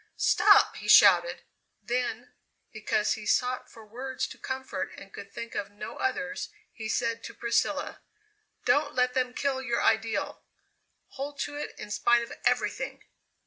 "Stop!" he shouted. Then, because he sought for words to comfort and could think of no others, he said to Priscilla, "Don't let them kill your ideal; hold to it in spite of everything!"